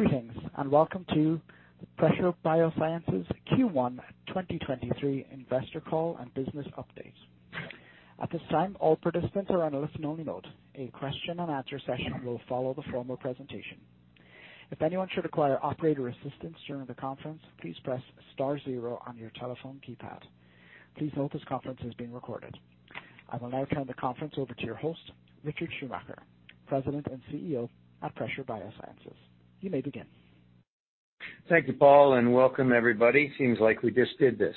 Greetings, welcome to Pressure BioSciences Q1 2023 investor call and business update. At this time, all participants are on a listen-only mode. A question and answer session will follow the formal presentation. If anyone should require operator assistance during the conference, please press star zero on your telephone keypad. Please note this conference is being recorded. I will now turn the conference over to your host, Richard Schumacher, President and CEO at Pressure BioSciences. You may begin. Thank you, Paul. Welcome everybody. Seems like we just did this.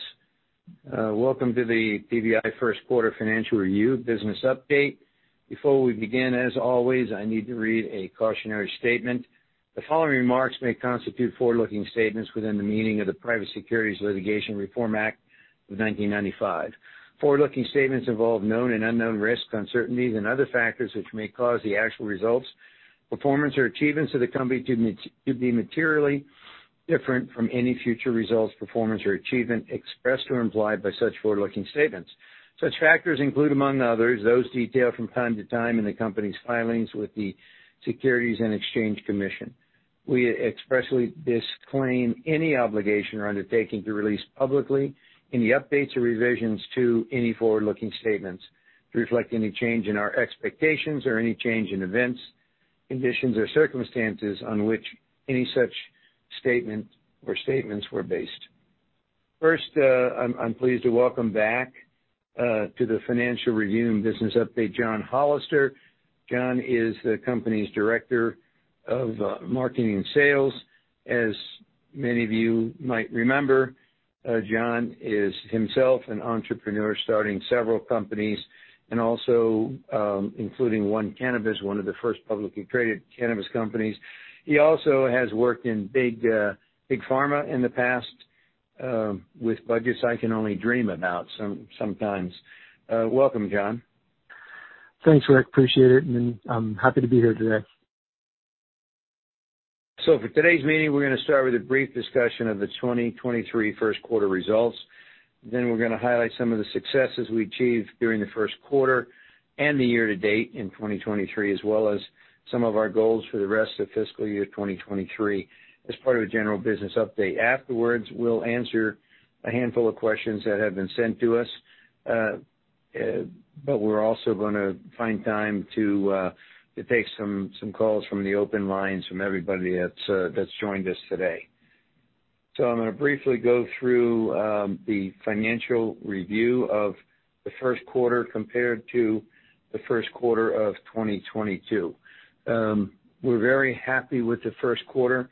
Welcome to the PBI Q1 financial review business update. Before we begin, as always, I need to read a cautionary statement. The following remarks may constitute forward-looking statements within the meaning of the Private Securities Litigation Reform Act of 1995. Forward-looking statements involve known and unknown risks, uncertainties and other factors which may cause the actual results, performance or achievements of the company to be materially different from any future results, performance or achievement expressed or implied by such forward-looking statements. Such factors include, among others, those detailed from time to time in the company's filings with the Securities and Exchange Commission. We expressly disclaim any obligation or undertaking to release publicly any updates or revisions to any forward-looking statements to reflect any change in our expectations or any change in events, conditions or circumstances on which any such statement or statements were based. First, I'm pleased to welcome back to the financial review and business update, John Hollister. John is the company's Director of Marketing and Sales. As many of you might remember, John is himself an entrepreneur starting several companies and also including One Cannabis, one of the first publicly traded cannabis companies. He also has worked in big pharma in the past with budgets I can only dream about sometimes. Welcome, John. Thanks, Rick. Appreciate it, and I'm happy to be here today. For today's meeting, we're gonna start with a brief discussion of the 2023 Q1 results. We're gonna highlight some of the successes we achieved during the Q1 and the year-to-date in 2023, as well as some of our goals for the rest of fiscal year 2023 as part of a general business update. Afterwards, we'll answer a handful of questions that have been sent to us. but we're also gonna find time to take some calls from the open lines from everybody that's joined us today. I'm gonna briefly go through the financial review of the Q1 compared to the Q1 of 2022. We're very happy with the Q1.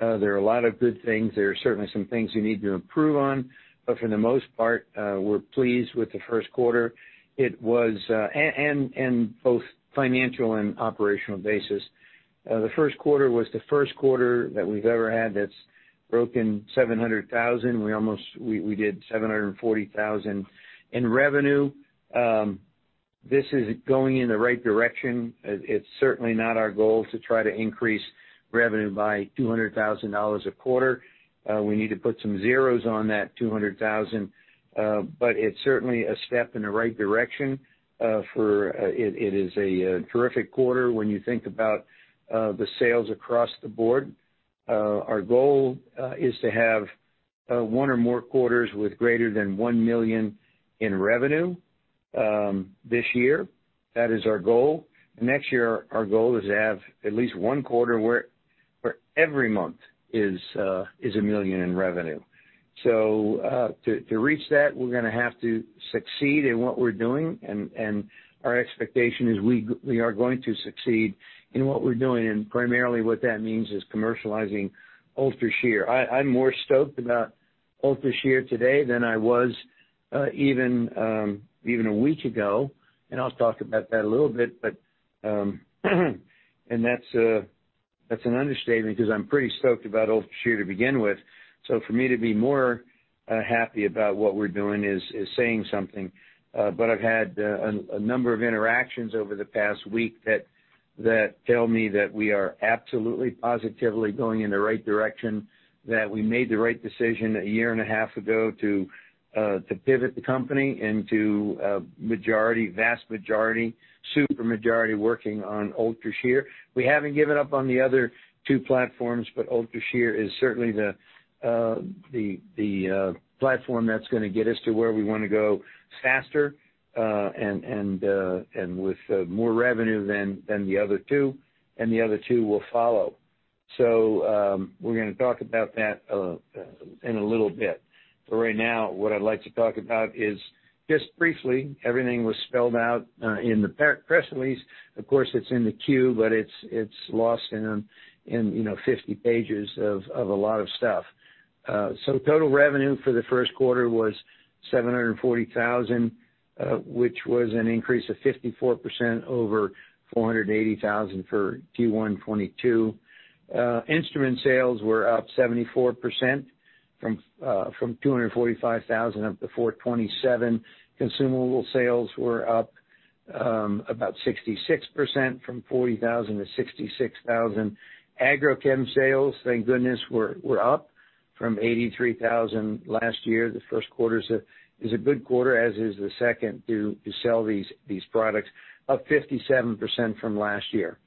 There are a lot of good things. There are certainly some things you need to improve on, for the most part, we're pleased with the Q1. It was, and both financial and operational basis. The Q1 was the Q1 that we've ever had that's broken $700,000. We did $740,000 in revenue. This is going in the right direction. It's certainly not our goal to try to increase revenue by $200,000 a quarter. We need to put some zeros on that $200,000. It's certainly a step in the right direction. It is a terrific quarter when you think about the sales across the board. Our goal is to have 1 or more quarters with greater than $1 million in revenue this year. That is our goal. Next year our goal is to have at least 1 quarter where every month is $1 million in revenue. To reach that, we're gonna have to succeed in what we're doing and our expectation is we are going to succeed in what we're doing, and primarily what that means is commercializing UltraShear. I'm more stoked about UltraShear today than I was even a week ago, and I'll talk about that a little bit. That's an understatement 'cause I'm pretty stoked about UltraShear to begin with. For me to be more happy about what we're doing is saying something. I've had a number of interactions over the past week that tell me that we are absolutely, positively going in the right direction, that we made the right decision a year and a half ago to pivot the company into a majority, vast majority, super majority working on UltraShear. We haven't given up on the other two platforms, UltraShear is certainly the platform that's gonna get us to where we wanna go faster, and with more revenue than the other two, and the other two will follow. We're gonna talk about that in a little bit. Right now, what I'd like to talk about is just briefly, everything was spelled out, in the press release. Of course, it's in the queue, but it's lost in, you know, 50 pages of a lot of stuff. Total revenue for the Q1 was $740,000, which was an increase of 54% over $480,000 for Q1 2022. Instrument sales were up 74% from $245,000 up to $427,000. Consumable sales were up about 66% from $40,000 to $66,000. AgroChem sales, thank goodness, were up from $83,000 last year, the Q1 is a good quarter, as is the second to sell these products, up 57% from last year.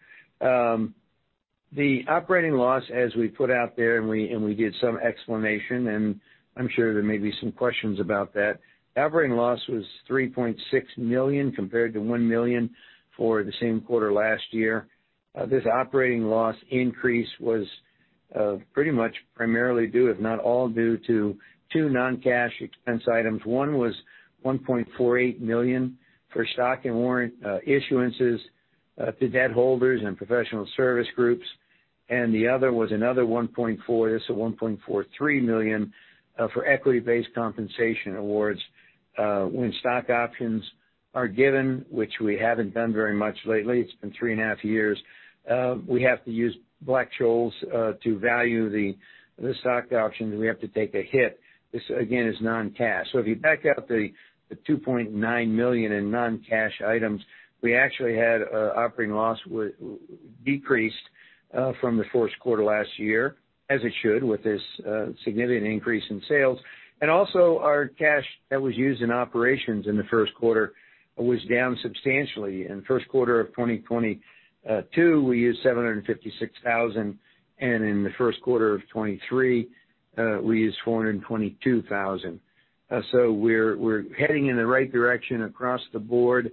The operating loss as we put out there, and we did some explanation, and I'm sure there may be some questions about that. Operating loss was $3.6 million compared to $1 million for the same quarter last year. This operating loss increase was pretty much primarily due, if not all due to two non-cash expense items. One was $1.48 million for stock and warrant issuances to debt holders and professional service groups. The other was another $1.43 million for equity-based compensation awards. When stock options are given, which we haven't done very much lately, it's been three and a half years, we have to use Black-Scholes to value the stock options, and we have to take a hit. This, again, is non-cash. If you back out the $2.9 million in non-cash items, we actually had operating loss decreased from the Q1 last year, as it should with this significant increase in sales. Also our cash that was used in operations in the Q1 was down substantially. In the Q1 of 2022, we used $756,000, and in the Q1 of 2023, we used $422,000. We're heading in the right direction across the board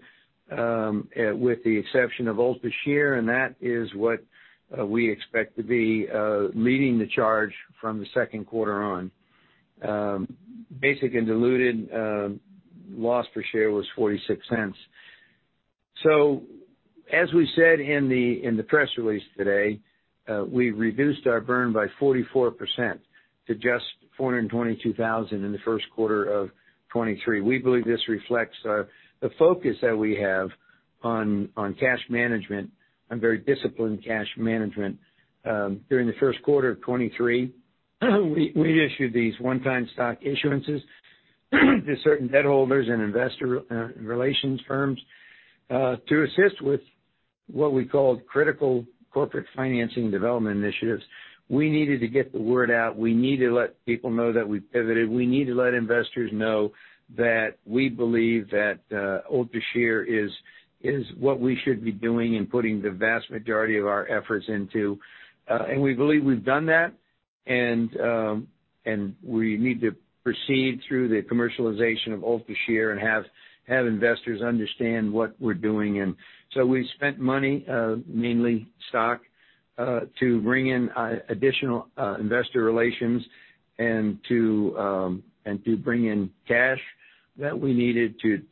with the exception of UltraShear, and that is what we expect to be leading the charge from the Q2 on. Basic and diluted loss per share was $0.46. As we said in the press release today, we reduced our burn by 44% to just $422,000 in the Q1 of 2023. We believe this reflects the focus that we have on cash management and very disciplined cash management. During the Q1 of 2023, we issued these one-time stock issuances to certain debt holders and investor relations firms to assist with what we call critical corporate financing development initiatives. We needed to get the word out. We need to let people know that we pivoted. We need to let investors know that we believe that UltraShear is what we should be doing and putting the vast majority of our efforts into. We believe we've done that. We need to proceed through the commercialization of UltraShear and have investors understand what we're doing. We've spent money, mainly stock, to bring in additional investor relations and to bring in cash that we needed to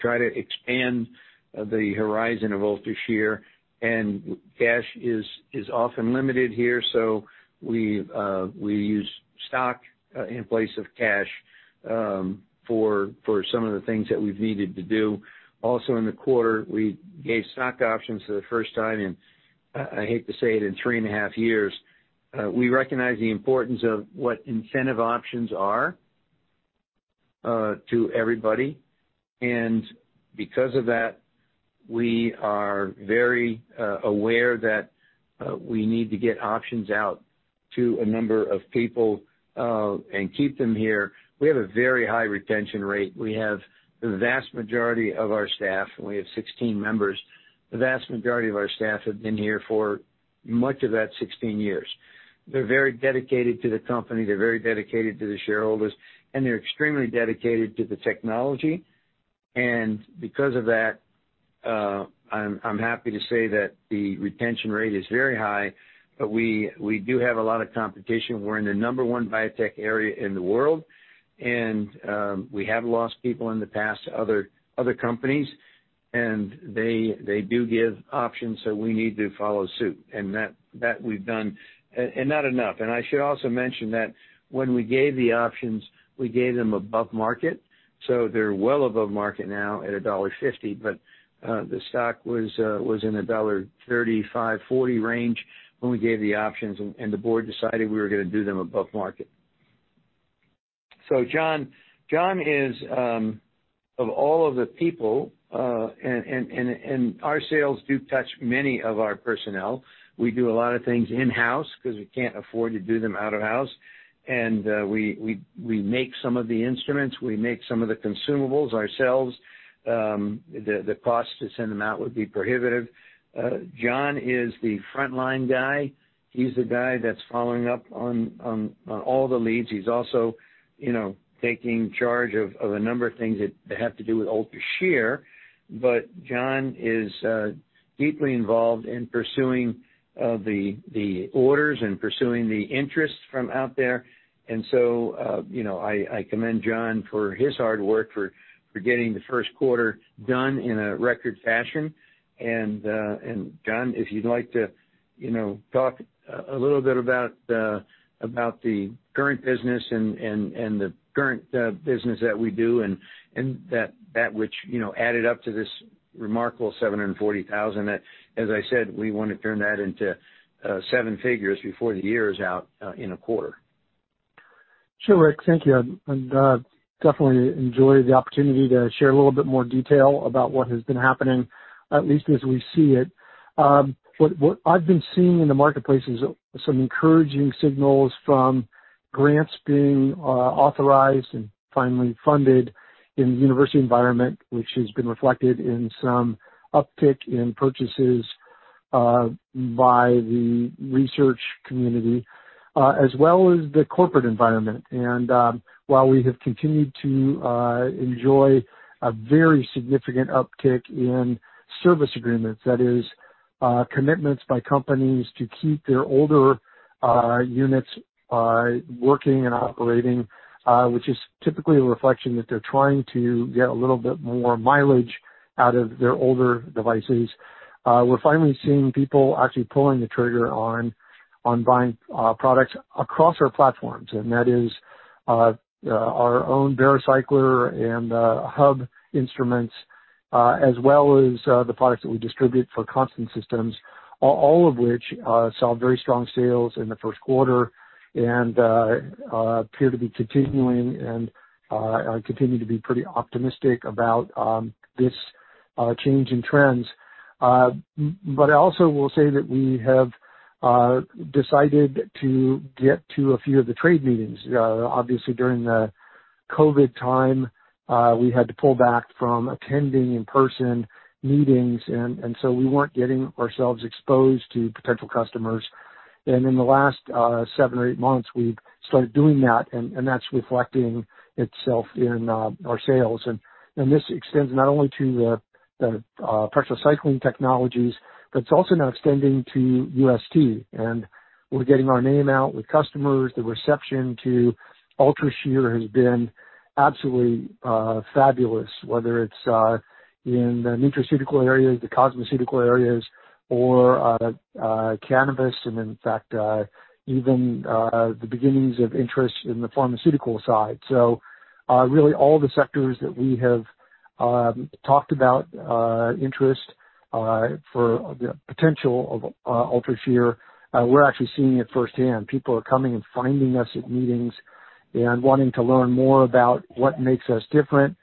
try to expand the horizon of UltraShear. Cash is often limited here, so we've we use stock in place of cash for some of the things that we've needed to do. Also in the quarter, we gave stock options for the first time in, I hate to say it, in three and a half years. We recognize the importance of what incentive options are to everybody. Because of that, we are very aware that we need to get options out to a number of people and keep them here. We have a very high retention rate. We have the vast majority of our staff, and we have 16 members. The vast majority of our staff have been here for much of that 16 years. They're very dedicated to the company, they're very dedicated to the shareholders, and they're extremely dedicated to the technology. Because of that, I'm happy to say that the retention rate is very high, but we do have a lot of competition. We're in the number-one biotech area in the world, and we have lost people in the past to other companies, and they do give options, so we need to follow suit. That we've done. Not enough. I should also mention that when we gave the options, we gave them above market, so they're well above market now at $1.50. The stock was in a $1.35-$1.40 range when we gave the options and the board decided we were gonna do them above market. John is of all of the people, and our sales do touch many of our personnel. We do a lot of things in-house 'cause we can't afford to do them out of house. We make some of the instruments, we make some of the consumables ourselves. The cost to send them out would be prohibitive. John is the frontline guy. He's the guy that's following up on all the leads. He's also, you know, taking charge of a number of things that have to do with UltraShear. John is deeply involved in pursuing the orders and pursuing the interests from out there. You know, I commend John for his hard work for getting the Q1 done in a record fashion. John, if you'd like to, you know, talk a little bit about the current business and the current business that we do, and that which, you know, added up to this remarkable $740,000 that as I said, we wanna turn that into seven figures before the year is out in a quarter. Sure, Rick. Thank you. I'd definitely enjoy the opportunity to share a little bit more detail about what has been happening, at least as we see it. What I've been seeing in the marketplace is some encouraging signals from grants being authorized and finally funded in the university environment, which has been reflected in some uptick in purchases by the research community as well as the corporate environment. While we have continued to enjoy a very significant uptick in service agreements, that is commitments by companies to keep their older units working and operating, which is typically a reflection that they're trying to get a little bit more mileage out of their older devices. We're finally seeing people actually pulling the trigger on buying products across our platforms, and that is our own BaroCycler and Hub instruments, as well as the products that we distribute for Constant Systems. All of which saw very strong sales in the Q1 and appear to be continuing and continue to be pretty optimistic about this change in trends. I also will say that we have decided to get to a few of the trade meetings. Obviously, during the COVID time, we had to pull back from attending in-person meetings and so we weren't getting ourselves exposed to potential customers. In the last seven or eight months, we've started doing that, and that's reflecting itself in our sales. This extends not only to the Pressure Cycling Technology, but it's also now extending to UST. We're getting our name out with customers. The reception to UltraShear has been absolutely fabulous, whether it's in the nutraceutical areas, the cosmeceutical areas or cannabis and in fact, even the beginnings of interest in the pharmaceutical side. Really all the sectors that we have talked about interest for the potential of UltraShear, we're actually seeing it firsthand. People are coming and finding us at meetings and wanting to learn more about what makes us different.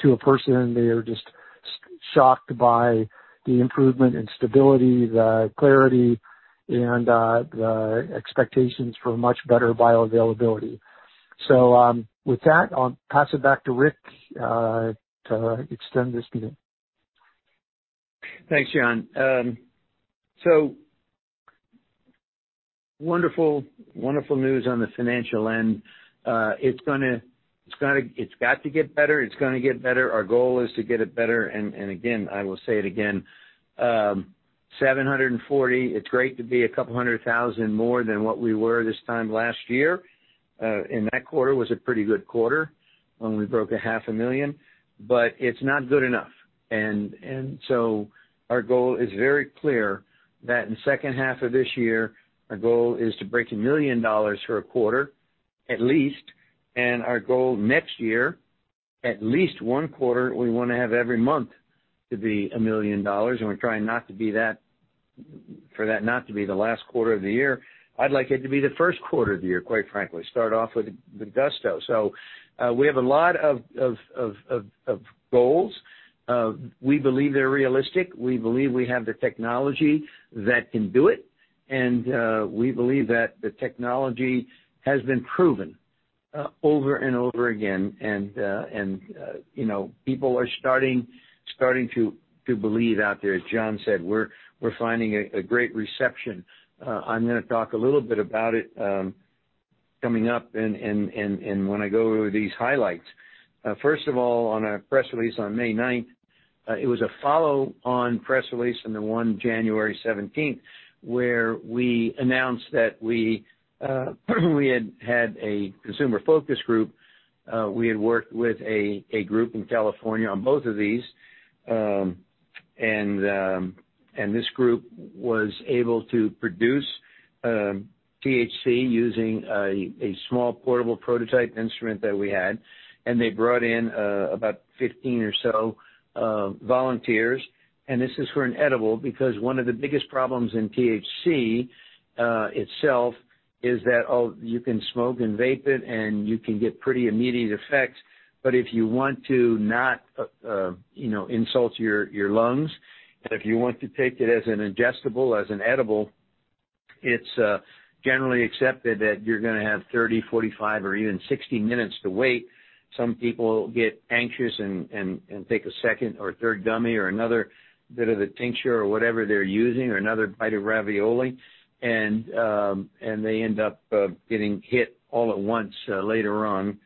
To a person, they are just shocked by the improvement in stability, the clarity and the expectations for much better bioavailability. With that, I'll pass it back to Rick to extend this meeting. Thanks, John. So wonderful news on the financial end. It's got to get better. It's gonna get better. Our goal is to get it better. Again, I will say it again, $740, it's great to be $200,000 more than what we were this time last year. That quarter was a pretty good quarter when we broke a half a million. It's not good enough. Our goal is very clear that in second half of this year, our goal is to break $1 million for a quarter at least. Our goal next year, at least one quarter, we wanna have every month to be $1 million. We're trying not to be for that not to be the last quarter of the year. I'd like it to be the Q1 of the year, quite frankly. Start off with the gusto. We have a lot of goals. We believe they're realistic. We believe we have the technology that can do it. We believe that the technology has been proven over and over again. You know, people are starting to believe out there. As John said, we're finding a great reception. I'm gonna talk a little bit about it coming up and when I go over these highlights. First of all, on our press release on May ninth, it was a follow-on press release from the one January seventeenth, where we announced that we had a consumer focus group. We had worked with a group in California on both of these. This group was able to produce THC using a small portable prototype instrument that we had. They brought in about 15 or so volunteers. This is for an edible because one of the biggest problems in THC itself is that you can smoke and vape it, and you can get pretty immediate effects. If you want to not, you know, insult your lungs, and if you want to take it as an ingestible, as an edible, it's generally accepted that you're gonna have 30, 45 or even 60 minutes to wait. Some people get anxious and take a second or third gummy or another bit of the tincture or whatever they're using or another bite of ravioli and they end up getting hit all at once later on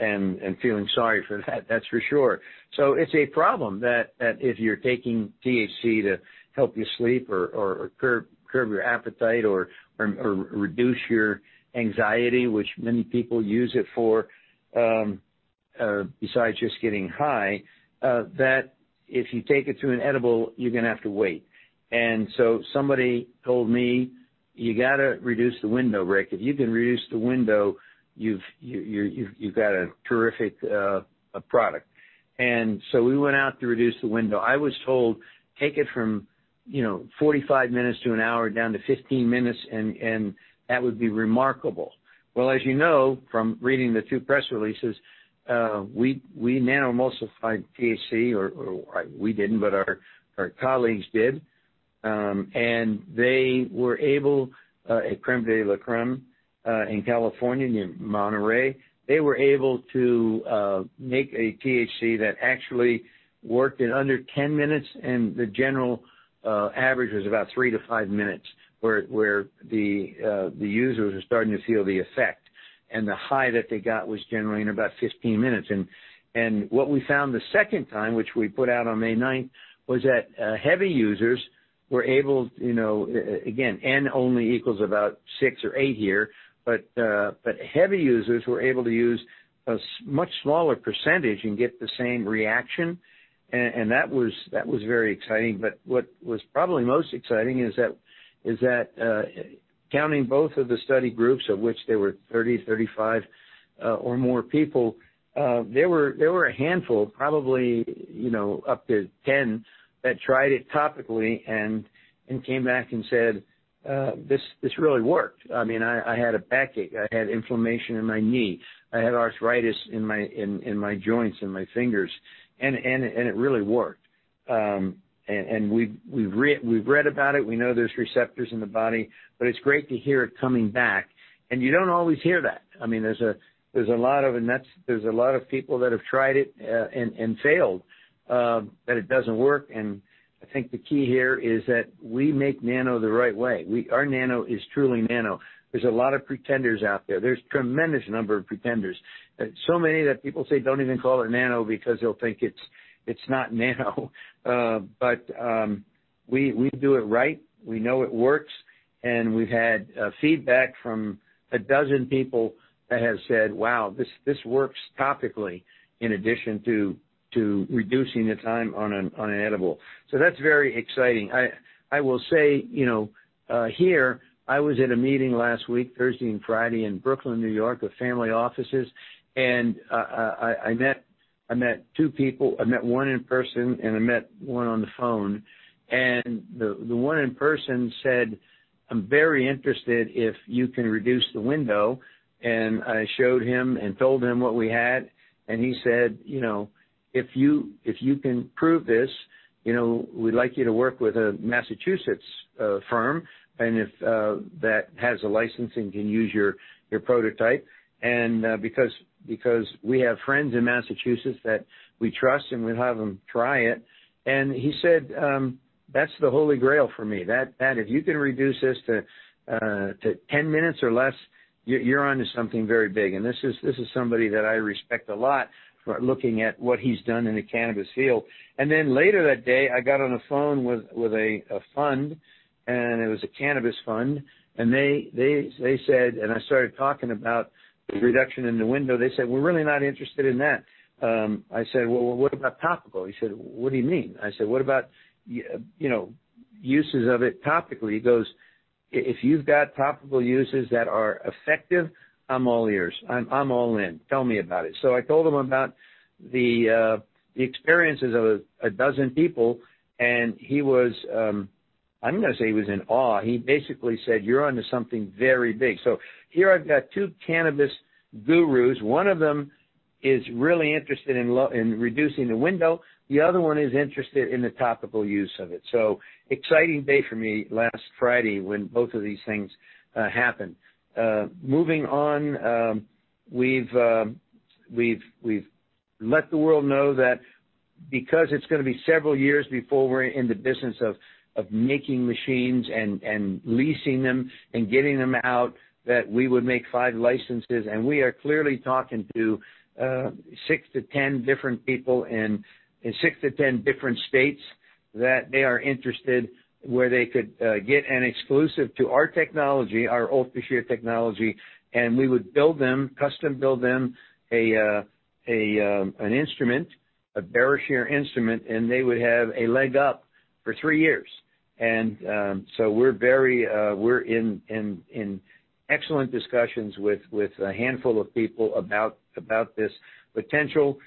and feeling sorry for that. That's for sure. It's a problem that if you're taking THC to help you sleep or curb your appetite or reduce your anxiety, which many people use it for, besides just getting high, that if you take it through an edible, you're gonna have to wait. Somebody told me, "You gotta reduce the window, Rick. If you can reduce the window, you've got a terrific product." We went out to reduce the window. I was told, take it from. You know, 45 minutes to an hour down to 15 minutes and that would be remarkable. Well, as you know from reading the 2 press releases, we nano-emulsified THC, or we didn't, but our colleagues did. They were able at Crème de la Crème in California, near Monterey, they were able to make a THC that actually worked in under 10 minutes, and the general average was about 3-5 minutes where the users are starting to feel the effect. The high that they got was generally in about 15 minutes. What we found the second time, which we put out on May 9th, was that heavy users were able, you know, again, N only equals about 6 or 8 here, but heavy users were able to use a much smaller percentage and get the same reaction. That was very exciting. What was probably most exciting is that counting both of the study groups, of which there were 30, 35 or more people, there were a handful, probably, you know, up to 10, that tried it topically and came back and said, "This really worked. I mean, I had a backache, I had inflammation in my knee, I had arthritis in my joints and my fingers, and it really worked. We've read about it, we know there's receptors in the body, but it's great to hear it coming back. You don't always hear that. I mean, there's a lot of people that have tried it and failed, that it doesn't work. I think the key here is that we make nano the right way. Our nano is truly nano. There's a lot of pretenders out there. There's tremendous number of pretenders. Many that people say, "Don't even call it nano because they'll think it's not nano." We do it right. We know it works. We've had feedback from 12 people that have said, "Wow, this works topically in addition to reducing the time on an edible." That's very exciting. I will say, you know, here, I was in a meeting last week, Thursday and Friday in Brooklyn, New York, with family offices. I met two people. I met one in person, and I met one on the phone. The one in person said, "I'm very interested if you can reduce the window." I showed him and told him what we had, and he said, "You know, if you can prove this, you know, we'd like you to work with a Massachusetts firm, and if that has a license and can use your prototype. Because we have friends in Massachusetts that we trust, and we'll have them try it." He said, "That's the holy grail for me. That if you can reduce this to 10 minutes or less, you're onto something very big." This is somebody that I respect a lot for looking at what he's done in the cannabis field. Later that day, I got on a phone with a fund, and it was a cannabis fund. They said... I started talking about the reduction in the window. They said, "We're really not interested in that." I said, "Well, what about topical?" He said, "What do you mean?" I said, "What about, you know, uses of it topically?" He goes, "If, if you've got topical uses that are effective, I'm all ears. I'm all in. Tell me about it." I told him about the experiences of a 12 people, and he was, I'm gonna say he was in awe. He basically said, "You're onto something very big." Here I've got two cannabis gurus. One of them is really interested in reducing the window. The other one is interested in the topical use of it. Exciting day for me last Friday when both of these things happened. Moving on, we've let the world know that because it's gonna be several years before we're in the business of making machines and leasing them and getting them out, that we would make 5 licenses. We are clearly talking to 6-10 different people in 6-10 different states that they are interested where they could get an exclusive to our technology, our UltraShear technology, and we would build them, custom build them an instrument, a BaroShear instrument, and they would have a leg up for three years. So we're very, we're in excellent discussions with a handful of people about this potential.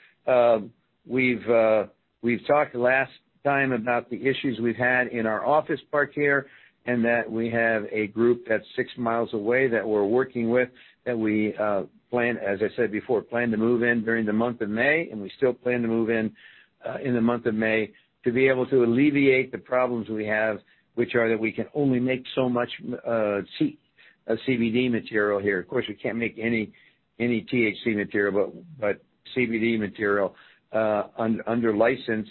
We've talked last time about the issues we've had in our office park here. That we have a group that's 6 miles away that we're working with that we plan, as I said before, plan to move in during the month of May. We still plan to move in in the month of May to be able to alleviate the problems we have, which are that we can only make so much CBD material here. Of course, we can't make any THC material, but CBD material under license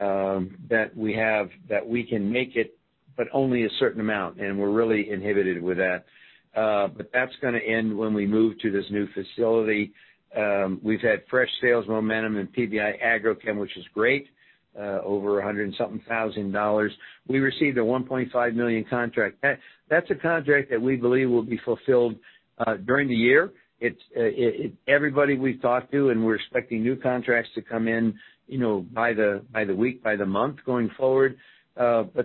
that we have, that we can make it, but only a certain amount. We're really inhibited with that. That's gonna end when we move to this new facility. We've had fresh sales momentum in PBI AgroChem, which is great, over $100 and something thousand. We received a $1.5 million contract. That's a contract that we believe will be fulfilled during the year. Everybody we've talked to, and we're expecting new contracts to come in, you know, by the week, by the month going forward.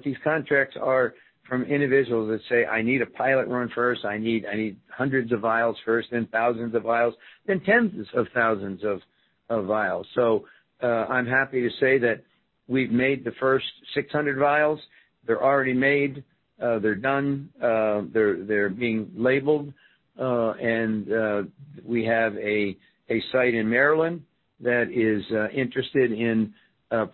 These contracts are from individuals that say, "I need a pilot run first. I need hundreds of vials first, then thousands of vials, then tens of thousands of vials." I'm happy to say that we've made the first 600 vials. They're already made. They're done. They're being labeled. We have a site in Maryland that is interested in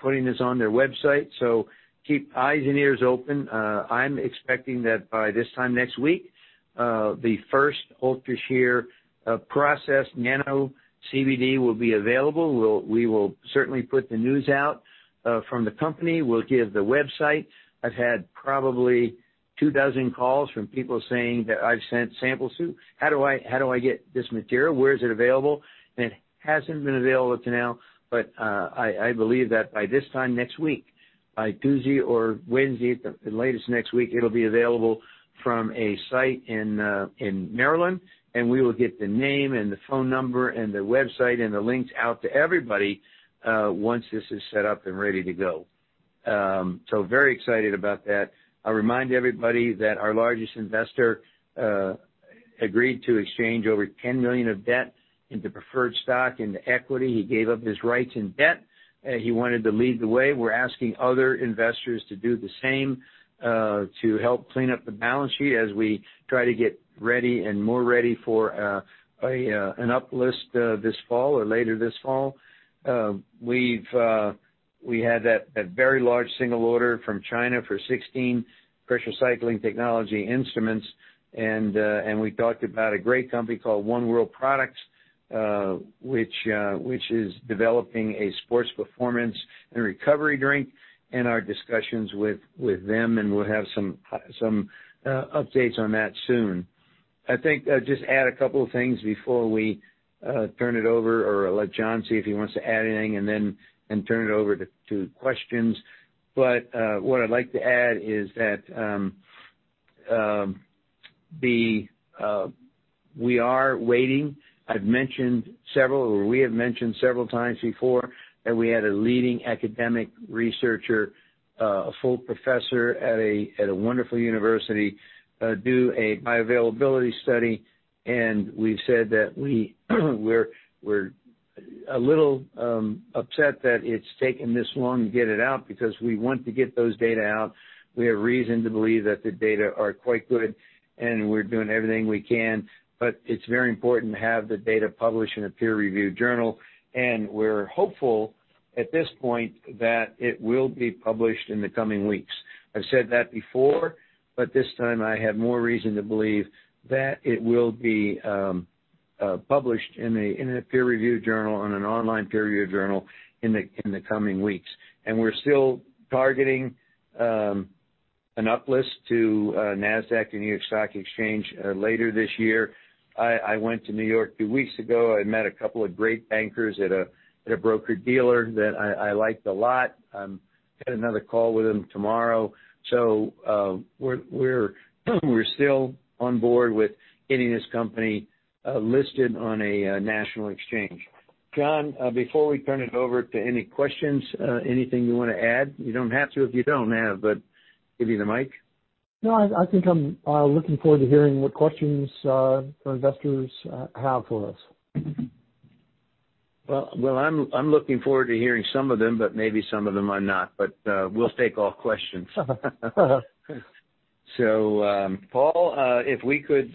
putting this on their website, so keep eyes and ears open. I'm expecting that by this time next week, the first UltraShear process nano CBD will be available. We will certainly put the news out from the company. We'll give the website. I've had probably 2 dozen calls from people saying that I've sent samples to. "How do I get this material? Where is it available?" It hasn't been available till now, but I believe that by this time next week, by Tuesday or Wednesday at the latest next week, it'll be available from a site in Maryland, and we will get the name and the phone number and the website and the links out to everybody once this is set up and ready to go. Very excited about that. I remind everybody that our largest investor agreed to exchange over $10 million of debt into preferred stock, into equity. He gave up his rights and debt. He wanted to lead the way. We're asking other investors to do the same to help clean up the balance sheet as we try to get ready and more ready for an up-list this fall or later this fall. We've, we had that very large single order from China for 16 Pressure Cycling Technology instruments. We talked about a great company called One World Products, which is developing a sports performance and recovery drink, and our discussions with them, and we'll have some updates on that soon. I think I'd just add a couple of things before we turn it over or let John see if he wants to add anything and then turn it over to questions. What I'd like to add is that. We are waiting. I've mentioned several, or we have mentioned several times before that we had a leading academic researcher, a full professor at a wonderful university, do a bioavailability study. We've said that we're a little upset that it's taken this long to get it out because we want to get those data out. We have reason to believe that the data are quite good, and we're doing everything we can. It's very important to have the data published in a peer-reviewed journal, and we're hopeful at this point that it will be published in the coming weeks. I've said that before. This time I have more reason to believe that it will be published in a peer-reviewed journal, on an online peer-reviewed journal in the coming weeks. We're still targeting an up-list to Nasdaq, the New York Stock Exchange, later this year. I went to New York a few weeks ago. I met a couple of great bankers at a broker-dealer that I liked a lot. Got another call with them tomorrow. We're still on board with getting this company listed on a national exchange. John, before we turn it over to any questions, anything you wanna add? You don't have to if you don't have, give you the mic. No, I think I'm looking forward to hearing what questions our investors have for us. Well, I'm looking forward to hearing some of them, but maybe some of them I'm not. We'll take all questions. Paul, if we could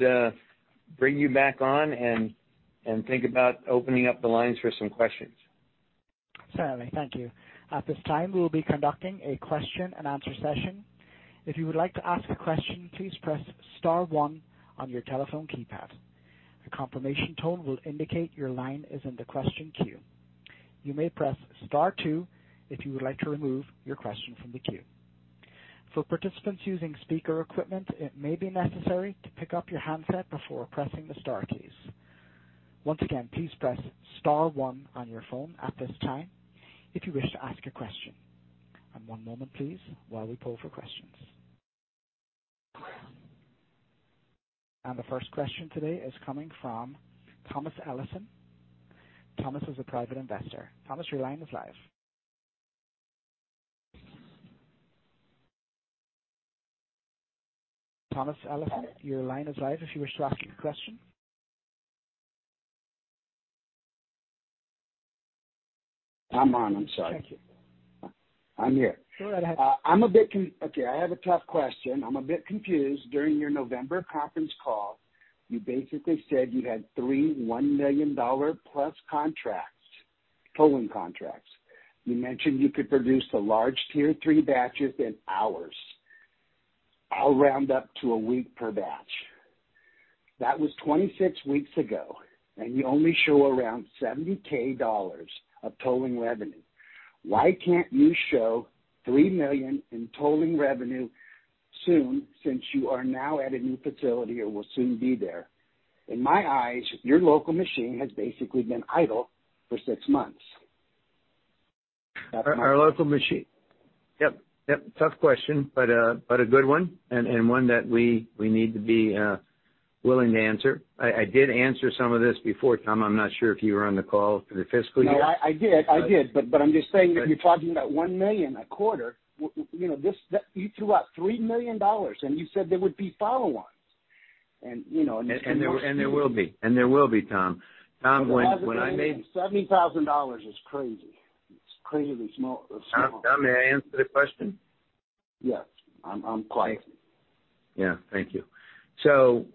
bring you back on and think about opening up the lines for some questions. Certainly. Thank you. At this time, we'll be conducting a question and answer session. If you would like to ask a question, please press star one on your telephone keypad. A confirmation tone will indicate your line is in the question queue. You may press star two if you would like to remove your question from the queue. For participants using speaker equipment, it may be necessary to pick up your handset before pressing the star keys. Once again, please press star one on your phone at this time if you wish to ask a question. One moment, please, while we poll for questions. The first question today is coming from Thomas Ellison. Thomas is a private investor. Thomas, your line is live. Thomas Ellison, your line is live if you wish to ask your question. I'm on. I'm sorry. Thank you. I'm here. Go ahead. Okay, I have a tough question. I'm a bit confused. During your November conference call, you basically said you had 3 $1 million+ contracts, tolling contracts. You mentioned you could produce the large tier 3 batches in hours. I'll round up to a week per batch. That was 26 weeks ago, you only show around $70K of tolling revenue. Why can't you show $3 million in tolling revenue soon since you are now at a new facility or will soon be there? In my eyes, your local machine has basically been idle for 6 months. Our local machine. Yep. Tough question but a good one, and one that we need to be willing to answer. I did answer some of this before, Tom. I'm not sure if you were on the call for the fiscal year. No, I did. I did. I'm just saying, if you're talking about $1 million a quarter, you know, that you threw out $3 million, and you said there would be follow-ons. You know- There will be. There will be, Tom. Tom, when I made- $70,000 is crazy. It's crazy small. Tom, may I answer the question? Yes. I'm quiet. Yeah. Thank you.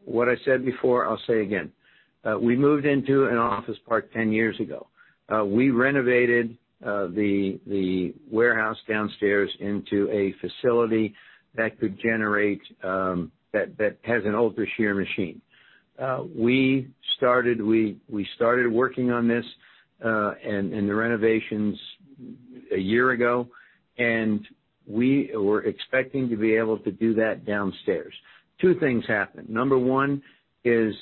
What I said before, I'll say again. We moved into an office park 10 years ago. We renovated the warehouse downstairs into a facility that could generate that has an UltraShear machine. We started working on this and the renovations one year ago, and we were expecting to be able to do that downstairs. Two things happened. Number one is,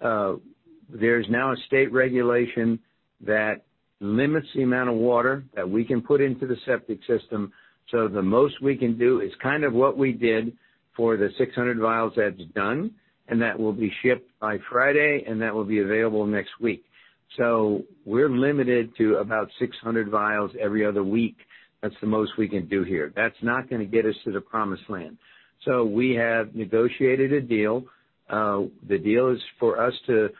there's now a state regulation that limits the amount of water that we can put into the septic system, so the most we can do is kind of what we did for the 600 vials that's done, and that will be shipped by Friday, and that will be available next week. We're limited to about 600 vials every other week. That's the most we can do here. That's not gonna get us to the promised land. We have negotiated a deal. The deal is for us to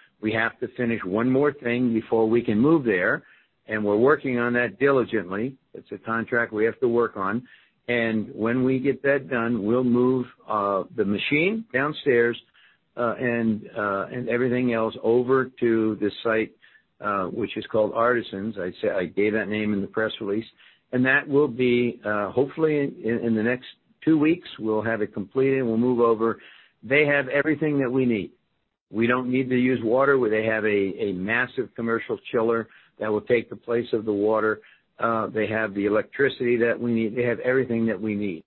finish one more thing before we can move there, and we're working on that diligently. It's a contract we have to work on. When we get that done, we'll move the machine downstairs, and everything else over to the site, which is called Artisans. I gave that name in the press release. That will be, hopefully in the next two weeks, we'll have it completed, and we'll move over. They have everything that we need. We don't need to use water, where they have a massive commercial chiller that will take the place of the water. They have the electricity that we need. They have everything that we need.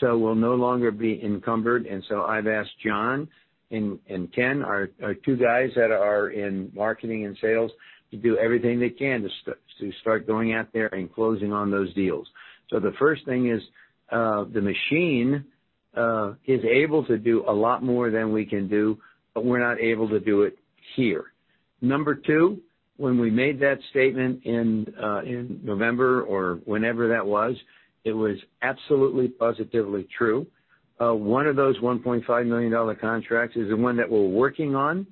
We'll no longer be encumbered. I've asked John and Ken, our two guys that are in marketing and sales, to do everything they can to start going out there and closing on those deals. The first thing is, the machine is able to do a lot more than we can do, but we're not able to do it here. Number two, when we made that statement in November or whenever that was, it was absolutely, positively true. One of those $1.5 million contracts is the one that we're working on.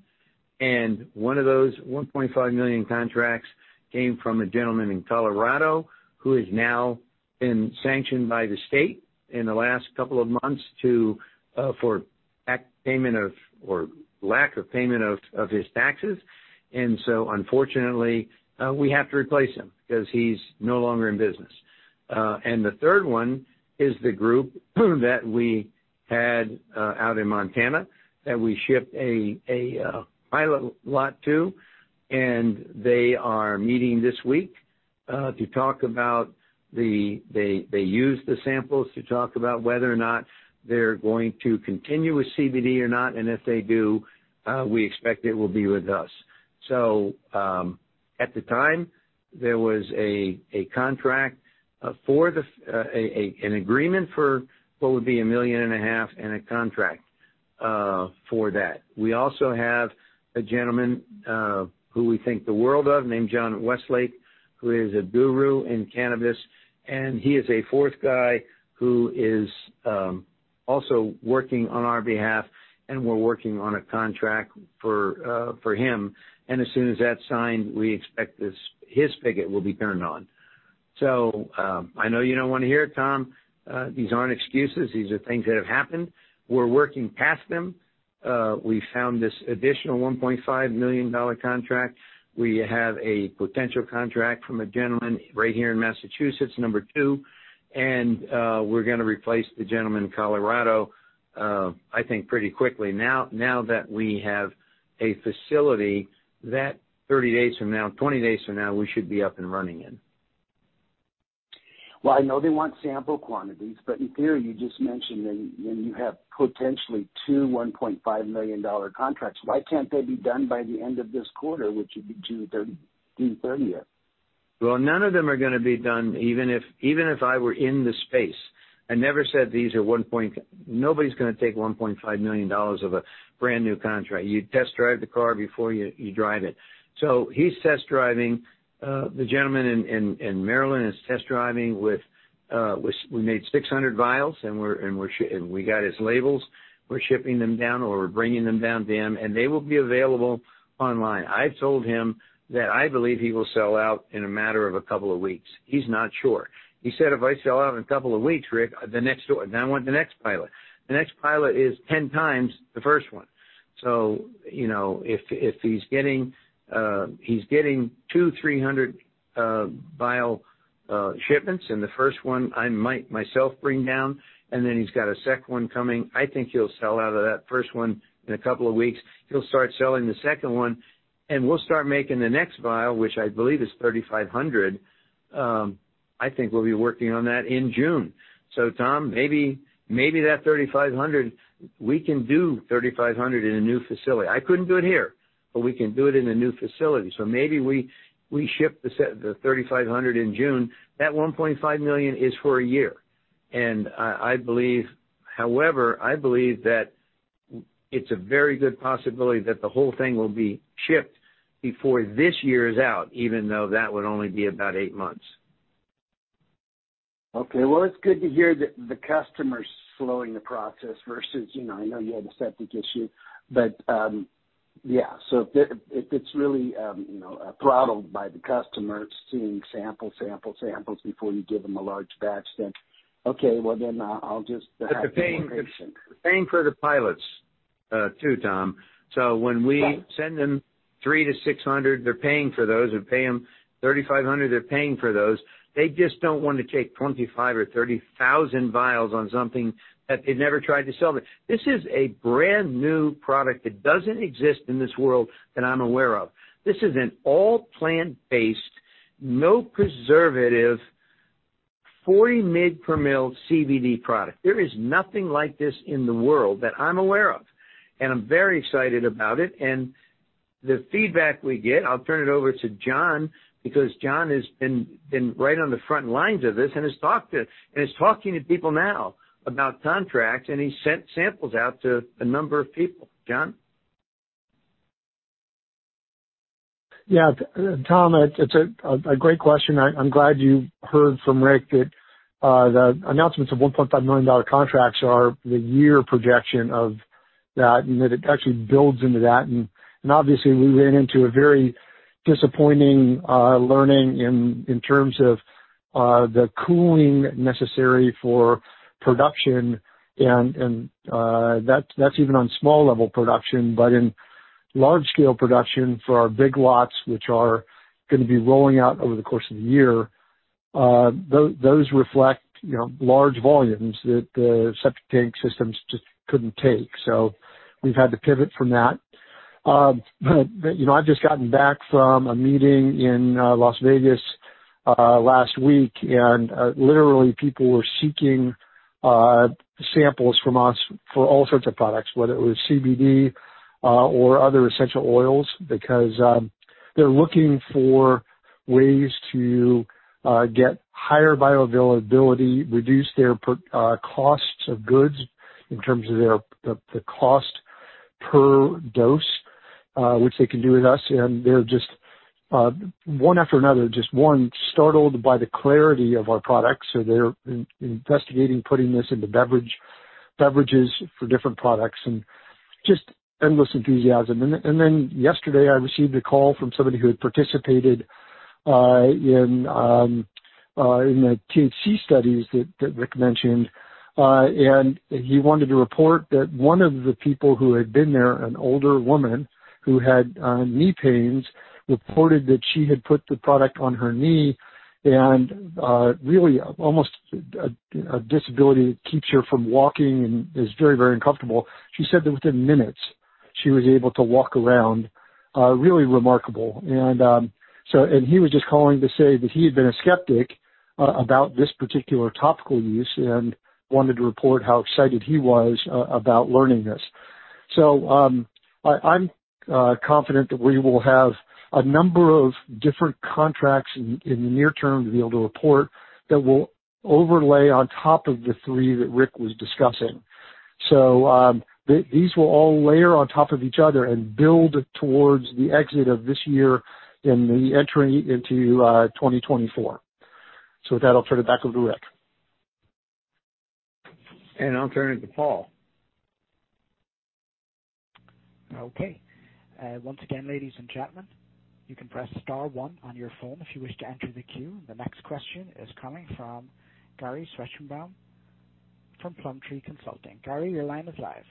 One of those $1.5 million contracts came from a gentleman in Colorado, who has now been sanctioned by the state in the last couple of months to for back payment or lack of payment of his taxes. Unfortunately, we have to replace him 'cause he's no longer in business. The third one is the group that we had out in Montana that we shipped a pilot lot to, and they are meeting this week to talk about whether or not they're going to continue with CBD or not, and if they do, we expect it will be with us. At the time, there was a contract for an agreement for what would be a million and a half and a contract for that. We also have a gentleman who we think the world of, named John Westlake, who is a guru in cannabis. He is a fourth guy who is also working on our behalf. We're working on a contract for him. As soon as that's signed, we expect this, his spigot will be turned on. I know you don't wanna hear it, Tom. These aren't excuses. These are things that have happened. We're working past them. We found this additional $1.5 million contract. We have a potential contract from a gentleman right here in Massachusetts, number two. We're gonna replace the gentleman in Colorado, I think pretty quickly now that we have a facility that 30 days from now, 20 days from now, we should be up and running in. I know they want sample quantities, but in theory, you just mentioned then you have potentially 2 $1.5 million contracts. Why can't they be done by the end of this quarter, which would be June thirtieth? Well, none of them are gonna be done, even if, even if I were in the space. I never said these are Nobody's gonna take $1.5 million of a brand-new contract. You test-drive the car before you drive it. He's test driving the gentleman in Maryland is test driving with, we made 600 vials and we got his labels. We're shipping them down or we're bringing them down to him, and they will be available online. I've told him that I believe he will sell out in a matter of a couple of weeks. He's not sure. He said, "If I sell out in a couple of weeks, Rick, the next door, then I want the next pilot." The next pilot is 10 times the first one. You know, if he's getting 2, 300 vial shipments, and the first one I might myself bring down, and then he's got a second one coming, I think he'll sell out of that first one in a couple of weeks. He'll start selling the second one, and we'll start making the next vial, which I believe is 3,500. I think we'll be working on that in June. Tom, maybe that 3,500, we can do 3,500 in a new facility. I couldn't do it here, but we can do it in a new facility. Maybe we ship the 3,500 in June. That $1.5 million is for a year. I believe, however, I believe that it's a very good possibility that the whole thing will be shipped before this year is out, even though that would only be about eight months. Okay. Well, it's good to hear that the customer's slowing the process versus, you know, I know you had a septic issue. Yeah, if it's really, you know, throttled by the customer seeing sample, samples before you give them a large batch, okay. Well, then I'll just have more patience. They're paying for the pilots, too, Tom. Right. send them $300-$600, they're paying for those. If we pay them $3,500, they're paying for those. They just don't wanna take 25,000 or 30,000 vials on something that they've never tried to sell. This is a brand-new product that doesn't exist in this world that I'm aware of. This is an all plant-based, no preservative, 40 mg per ml CBD product. There is nothing like this in the world that I'm aware of, and I'm very excited about it. The feedback we get, I'll turn it over to John because John has been right on the front lines of this and has talked to, and is talking to people now about contracts, and he sent samples out to a number of people. John? Tom, it's a great question. I'm glad you heard from Rick that the announcements of $1.5 million contracts are the year projection of that and that it actually builds into that. Obviously, we ran into a very disappointing learning in terms of the cooling necessary for production and that's even on small level production. In large scale production for our big lots, which are gonna be rolling out over the course of the year, those reflect, you know, large volumes that the septic tank systems just couldn't take. We've had to pivot from that. e just gotten back from a meeting in Las Vegas last week, and literally people were seeking samples from us for all sorts of products, whether it was CBD or other essential oils, because they're looking for ways to get higher bioavailability, reduce their per costs of goods in terms of their, the cost per dose, which they can do with us. And they're just one after another, just one, startled by the clarity of our products. So they're investigating putting this into beverage, beverages for different products and just endless enthusiasm. And then yesterday I received a call from somebody who had participated in the THC studies that Rick mentioned. He wanted to report that one of the people who had been there, an older woman who had knee pains, reported that she had put the product on her knee and really almost a disability keeps her from walking and is very, very uncomfortable. She said that within minutes she was able to walk around, really remarkable. He was just calling to say that he had been a skeptic about this particular topical use and wanted to report how excited he was about learning this. I'm confident that we will have a number of different contracts in the near term to be able to report that will overlay on top of the 3 that Rick was discussing. These will all layer on top of each other and build towards the exit of this year and the entry into, 2024. With that, I'll turn it back over to Rick. I'll turn it to Paul. Okay. once again, ladies and gentlemen, you can press star one on your phone if you wish to enter the queue. The next question is coming from Gary Zwetchkenbaum from Plum Tree Consulting. Gary, your line is live.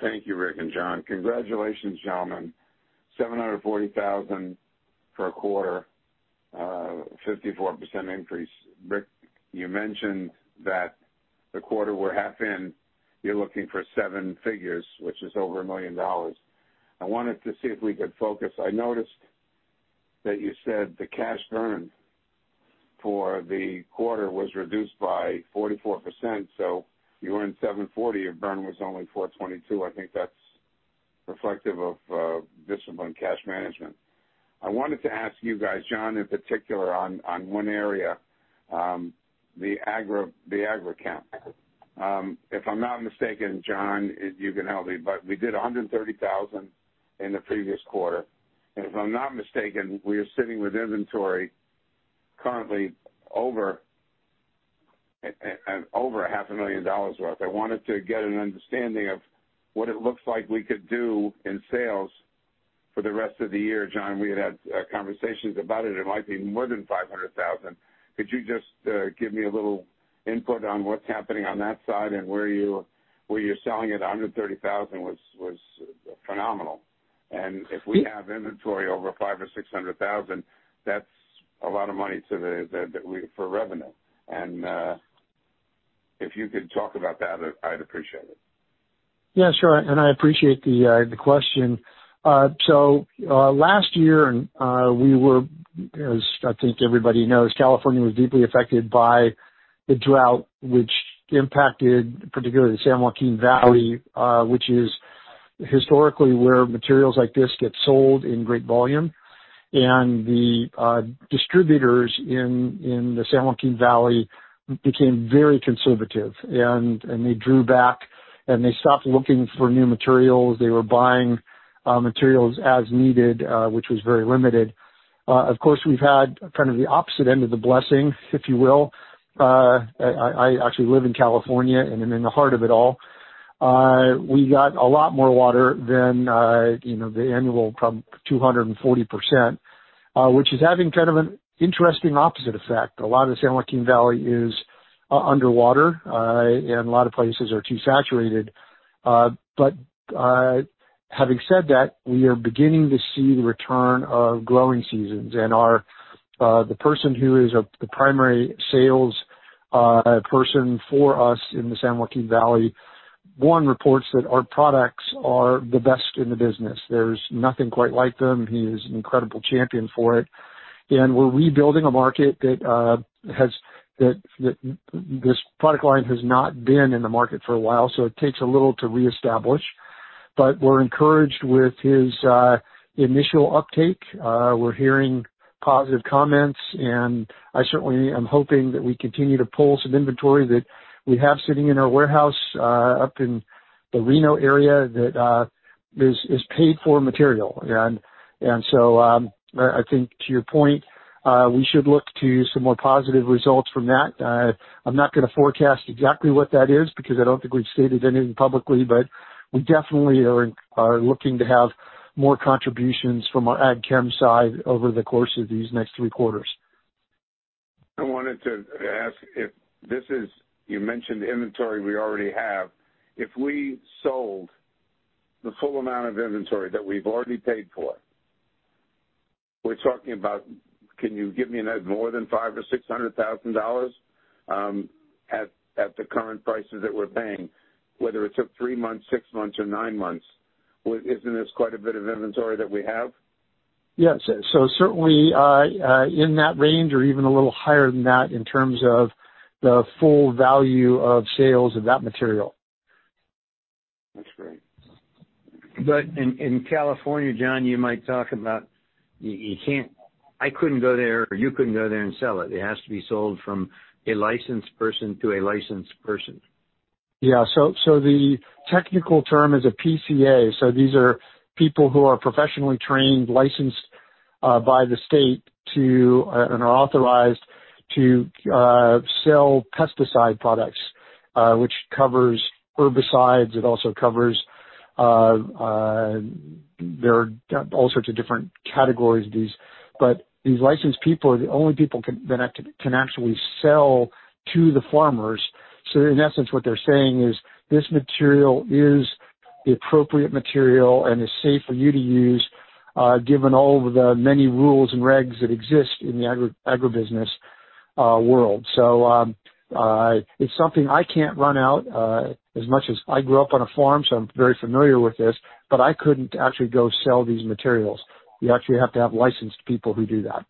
Thank you, Rick and John. Congratulations, gentlemen. $740,000 for a quarter, 54% increase. Rick, you mentioned that the quarter we're half in, you're looking for 7 figures, which is over $1 million. I wanted to see if we could focus. I noticed that you said the cash burn for the quarter was reduced by 44%. You earned $740,000, your burn was only $422,000. I think that's reflective of disciplined cash management. I wanted to ask you guys, John in particular on one area, the AgroChem. If I'm not mistaken, John, you can help me, we did $130,000 in the previous quarter. If I'm not mistaken, we are sitting with inventory currently over a half a million dollars worth. I wanted to get an understanding of what it looks like we could do in sales for the rest of the year. John, we had conversations about it. It might be more than $500,000. Could you just give me a little input on what's happening on that side and where you, where you're selling it? $130,000 was phenomenal. If we have inventory over $500,000-$600,000, that's a lot of money to the for revenue. If you could talk about that, I'd appreciate it. Yeah, sure. I appreciate the question. Last year and we were, as I think everybody knows, California was deeply affected by the drought which impacted particularly the San Joaquin Valley, which is historically where materials like this get sold in great volume. The distributors in the San Joaquin Valley became very conservative and they drew back. They stopped looking for new materials. They were buying materials as needed, which was very limited. Of course, we've had kind of the opposite end of the blessing, if you will. I actually live in California and am in the heart of it all. We got a lot more water than, you know, the annual, probably 240%, which is having kind of an interesting opposite effect. A lot of the San Joaquin Valley is underwater. A lot of places are too saturated. Having said that, we are beginning to see the return of growing seasons and our, the person who is the primary sales person for us in the San Joaquin Valley, one reports that our products are the best in the business. There's nothing quite like them. He is an incredible champion for it. We're rebuilding a market that this product line has not been in the market for a while. It takes a little to reestablish. We're encouraged with his initial uptake. We're hearing positive comments. I certainly am hoping that we continue to pull some inventory that we have sitting in our warehouse up in the Reno area that is paid for material. I think to your point, we should look to some more positive results from that. I'm not gonna forecast exactly what that is because I don't think we've stated anything publicly. We definitely are looking to have more contributions from our AgroChem side over the course of these next 3 quarters. I wanted to ask if you mentioned inventory we already have. If we sold the full amount of inventory that we've already paid for, we're talking about can you give me more than $500,000-$600,000 at the current prices that we're paying, whether it took three months, six months or nine months? Isn't this quite a bit of inventory that we have? Yes. certainly, in that range or even a little higher than that in terms of the full value of sales of that material. That's great. In California, John, you might talk about you can't. I couldn't go there or you couldn't go there and sell it. It has to be sold from a licensed person to a licensed person. The technical term is a PCA. These are people who are professionally trained, licensed by the state to and are authorized to sell pesticide products, which covers herbicides. It also covers, there are all sorts of different categories of these. These licensed people are the only people that can actually sell to the farmers. In essence, what they're saying is this material is the appropriate material and is safe for you to use, given all of the many rules and regs that exist in the agri-agribusiness world. It's something I can't run out, as much as I grew up on a farm, so I'm very familiar with this, but I couldn't actually go sell these materials. You actually have to have licensed people who do that.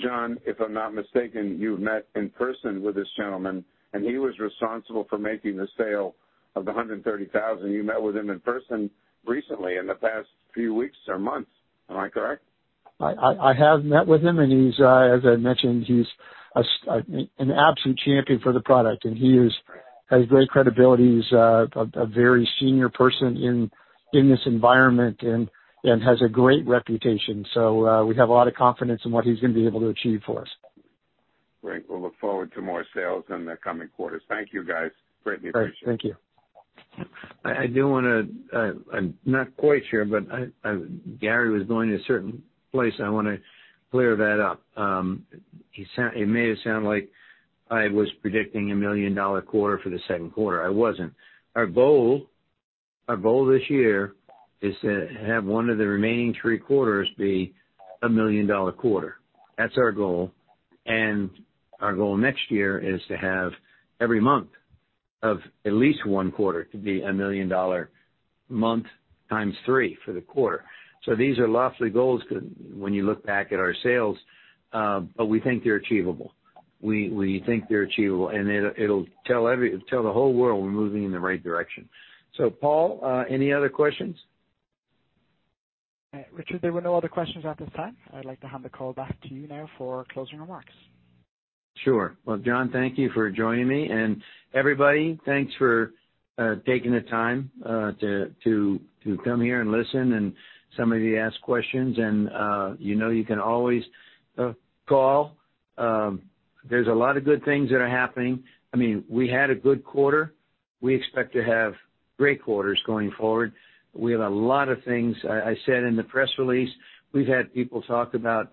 John, if I'm not mistaken, you've met in person with this gentleman, and he was responsible for making the sale of $130,000. You met with him in person recently, in the past few weeks or months. Am I correct? I have met with him and he's, as I mentioned, he's an absolute champion for the product. He is, has great credibility. He's a very senior person in this environment and has a great reputation. We have a lot of confidence in what he's gonna be able to achieve for us. Great. We'll look forward to more sales in the coming quarters. Thank you guys. Greatly appreciate it. All right. Thank you. I do wanna, I'm not quite sure, but I, Gary was going a certain place. I wanna clear that up. It may have sounded like I was predicting a million-dollar quarter for the Q2. I wasn't. Our goal this year is to have one of the remaining three quarters be a million-dollar quarter. That's our goal. Our goal next year is to have every month of at least one quarter to be a million-dollar month times three for the quarter. These are lofty goals when you look back at our sales, we think they're achievable. We think they're achievable. It'll tell every, tell the whole world we're moving in the right direction. Paul, any other questions? Richard, there were no other questions at this time. I'd like to hand the call back to you now for closing remarks. Sure. Well, John, thank you for joining me. Everybody, thanks for taking the time to come here and listen, and some of you asked questions, you know, you can always call. There's a lot of good things that are happening. I mean, we had a good quarter. We expect to have great quarters going forward. We have a lot of things. I said in the press release, we've had people talk about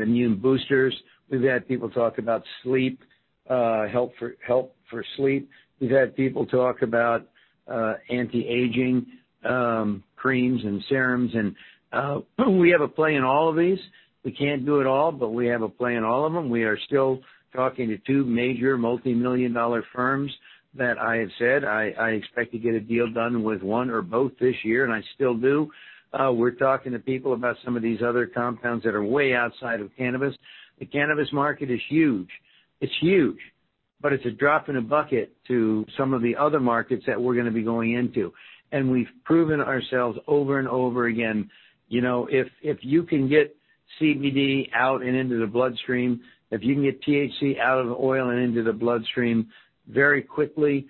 immune boosters. We've had people talk about sleep, help for sleep. We've had people talk about anti-aging creams and serums. We have a play in all of these. We can't do it all, but we have a play in all of them. We are still talking to two major multimillion-dollar firms that I had said I expect to get a deal done with one or both this year. I still do. We're talking to people about some of these other compounds that are way outside of cannabis. The cannabis market is huge. It's huge, but it's a drop in a bucket to some of the other markets that we're gonna be going into. We've proven ourselves over and over again. You know, if you can get CBD out and into the bloodstream, if you can get THC out of oil and into the bloodstream very quickly,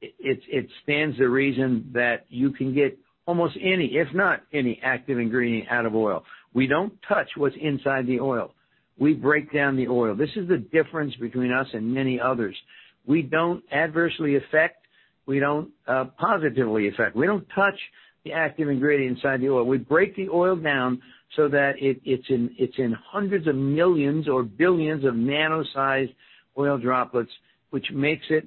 It stands to reason that you can get almost any, if not any, active ingredient out of oil. We don't touch what's inside the oil. We break down the oil. This is the difference between us and many others. We don't adversely affect, we don't positively affect. We don't touch the active ingredient inside the oil. We break the oil down so that it's in hundreds of millions or billions of nano-sized oil droplets, which makes it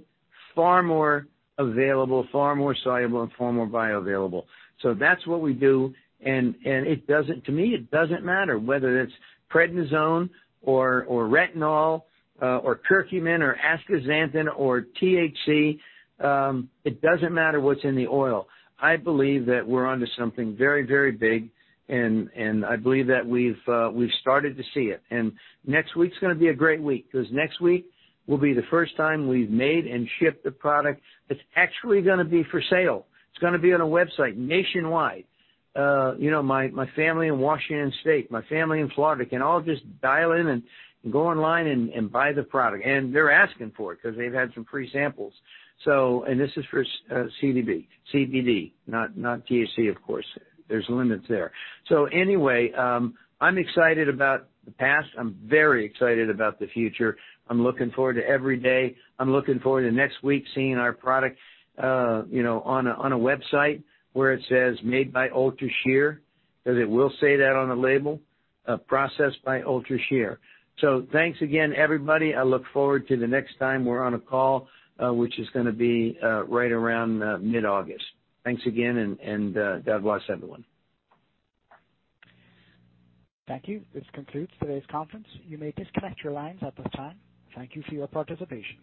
far more available, far more soluble, and far more bioavailable. That's what we do, and it doesn't to me, it doesn't matter whether it's prednisone or retinol or curcumin or astaxanthin or THC. It doesn't matter what's in the oil. I believe that we're onto something very, very big and I believe that we've started to see it. Next week's gonna be a great week 'cause next week will be the first time we've made and shipped the product that's actually gonna be for sale. It's gonna be on a website nationwide. you know, my family in Washington State, my family in Florida can all just dial in and go online and buy the product. They're asking for it 'cause they've had some free samples. This is for CBD. CBD, not THC, of course. There's limits there. Anyway, I'm excited about the past. I'm very excited about the future. I'm looking forward to every day. I'm looking forward to next week seeing our product, you know, on a website where it says, "Made by UltraShear," 'cause it will say that on the label, "Processed by UltraShear." Thanks again, everybody. I look forward to the next time we're on a call, which is gonna be right around mid-August. Thanks again and God bless everyone. Thank you. This concludes today's conference. You may disconnect your lines at this time. Thank you for your participation.